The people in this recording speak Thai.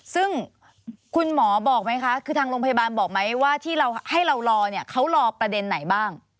ซึ่งคุณหมอบอกไหมคะคือทางโรงพยาบาลบอกไหมว่าที่เราให้เรารอเนี่ยเขารอประเด็นไหนบ้าง